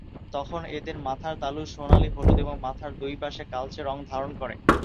তখন এদের মাথার তালু সোনালী-হলুদ এবং মাথার দুইপাশে কালচে রঙ ধারণ করে।